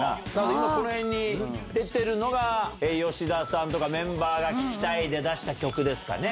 今その辺に出てるのが、吉田さんとかメンバーが聴きたいで出した曲ですかね。